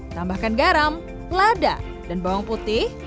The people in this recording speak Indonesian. tambahkan garam lada dan bawang putih